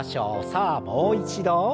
さあもう一度。